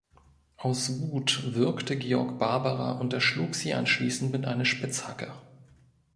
Aus Wut würgte Georg Barbara und erschlug sie anschließend mit einer Spitzhacke.